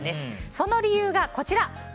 その理由が、こちら。